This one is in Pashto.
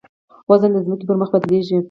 وزن د ځمکې پر مخ بدلېږي.